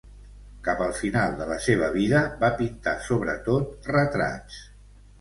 Cap al final de la seva vida, va pintar sobretot retrats.